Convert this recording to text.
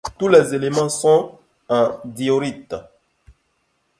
Tous les éléments sont en diorite.